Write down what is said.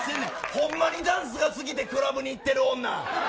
ほんまにダンスが好きでクラブに行ってる女。